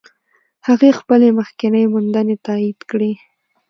هغې خپلې مخکینۍ موندنې تایید کړې.